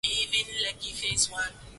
ini ni kwa sababu ya